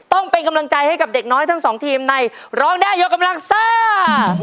ต้องเป็นกำลังใจให้กับเด็กน้อยทั้งสองทีมในร้องได้ยกกำลังซ่า